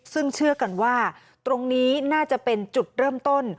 ซึ่งเชื่อกันว่าตรงนี้น่าจะเป็นจุดเริ่มต้น